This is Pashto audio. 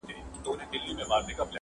ټولنه خپل عيب نه مني تل,